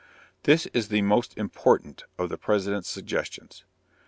_ This is the most important of the President's suggestions.